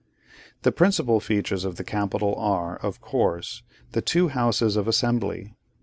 The principal features of the Capitol, are, of course, the two houses of Assembly.